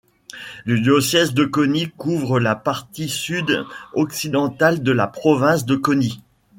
Le diocèse de Coni couvre la partie sud-occidentale de la province de Coni.